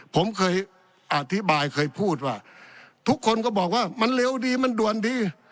ผมเคยอธิบายเคยพูดว่าทุกคนก็บอกว่ามันเร็วดีมันด่วนดี